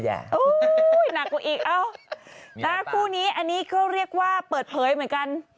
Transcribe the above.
ยืมดีดีใจด้วยนะคะ